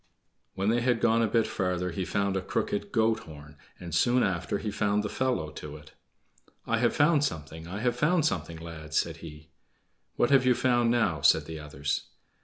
When they had gone a little bit farther he found a crooked goat horn, and soon after he found the fellow to it. "I have found something! I have found something, lads!" said he. "What have you found now?" said the others.